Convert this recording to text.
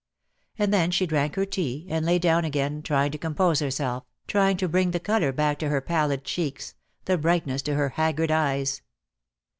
And then she drank her tea, and lay down again, trying to compose herself, trying to bring the colour back to her pallid cheeks, the brightness to her haggard eyes.